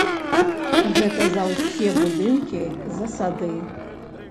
Гэта за ўсе будынкі, за сады.